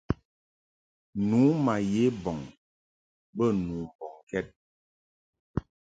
Nu ma ye bɔŋ bə nu mbɔŋkɛd.